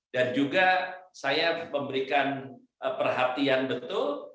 dan juga saya memberikan perhatian betul